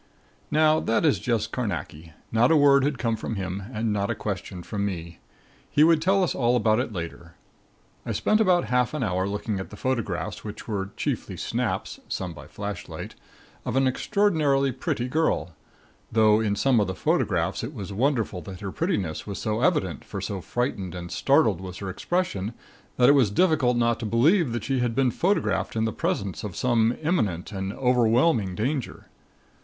Now, that is just Carnacki. Not a word had come from him and not a question from me. He would tell us all about it later. I spent about half an hour looking at the photographs which were chiefly "snaps" (some by flashlight) of an extraordinarily pretty girl; though in some of the photographs it was wonderful that her prettiness was so evident for so frightened and startled was her expression that it was difficult not to believe that she had been photographed in the presence of some imminent and overwhelming danger.